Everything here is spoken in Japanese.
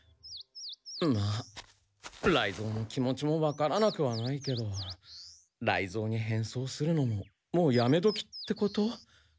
まあ雷蔵の気持ちもわからなくはないけど雷蔵に変装するのももうやめどきってこと？